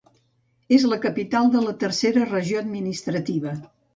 És la capital de la tercera regió administrativa.